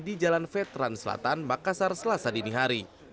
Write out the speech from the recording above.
di jalan veteran selatan makassar selasa dini hari